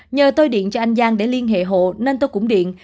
nhờ tôi điện cho anh giang để liên hệ hộ nên tôi cũng điện